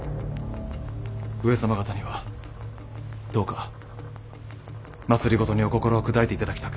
上様方にはどうか政にお心を砕いて頂きたく。